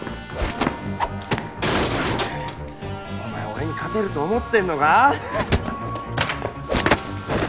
俺に勝てると思ってんのか？